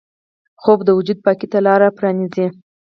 خوب د وجود پاکۍ ته لاره پرانیزي